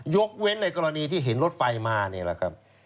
ยกเว้นในกรณีที่เห็นรถไฟมานี่แหละครับ